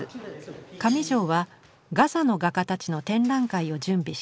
上條はガザの画家たちの展覧会を準備していた。